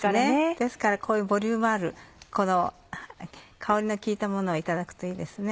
ですからこういうボリュームあるこの香りの効いたものをいただくといいですね。